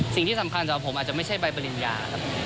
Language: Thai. สิ่งที่สำคัญสำหรับผมอาจจะไม่ใช่ใบปริญญาครับ